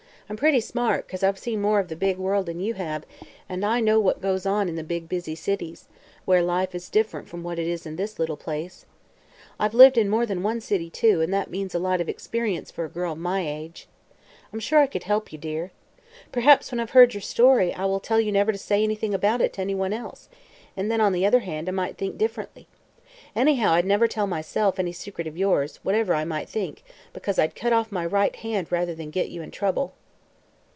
I'm pretty smart, 'cause I've seen more of the big world than you have, and know what goes on in the big, busy cities, Where life is different from what it is in this little place. I've lived in more than one city, too, and that means a lot of experience for a girl of my age. I'm sure I could help you, dear. Perhaps, when I've heard your story, I will tell you never to say anything about it to anyone else; and then, on the other hand, I might think differently. Anyhow, I'd never tell, myself, any secret of yours, whatever I might think, because I'd cut off my right hand rather than get you into trouble."